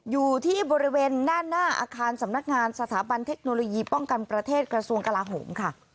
อยู่ที่บริเวณหน้าอาคารสำนักงานสถาบันเทคโนโลยีป้องกันประเทศกระทรวงกลาโหมค่ะ